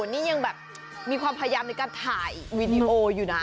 นี่ยังแบบมีความพยายามในการถ่ายวีดีโออยู่นะ